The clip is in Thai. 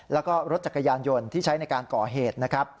แล้วก็รถจักรยานยนต์ที่ใช้ในการก่อเหตุนะครับ